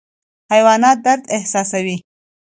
حیوانات درد احساسوي